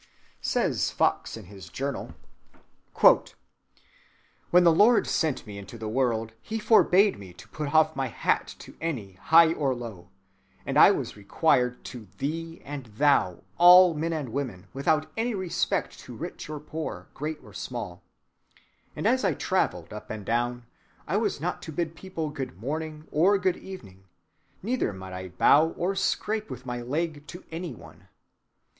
"When the Lord sent me into the world," says Fox in his Journal, "he forbade me to put off my hat to any, high or low: and I was required to 'thee' and 'thou' all men and women, without any respect to rich or poor, great or small. And as I traveled up and down, I was not to bid people Good‐morning, or Good‐evening, neither might I bow or scrape with my leg to any one.